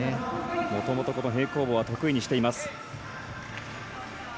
もともとこの平行棒は得意にしています。